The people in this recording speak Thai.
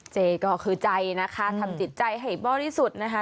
เจ๊ก็คือใจนะคะทำจิตใจให้บ้อที่สุดนะคะ